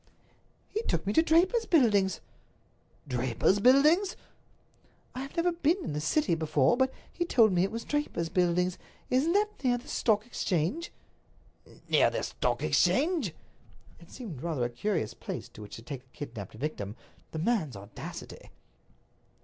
"He took me to Draper's Buildings." "Draper's Buildings?" "I have never been in the City before, but he told me it was Draper's Buildings. Isn't that near the Stock Exchange?" "Near the Stock Exchange?" It seemed rather a curious place to which to take a kidnaped victim. The man's audacity!